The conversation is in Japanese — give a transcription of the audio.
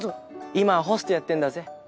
今はホストやってんだぜっ。